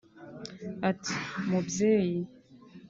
ati "Mubyeyi